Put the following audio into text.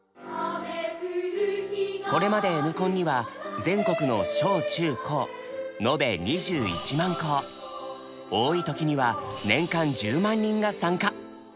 これまでＮコンには全国の小・中・高多い時には年間１０万人が参加。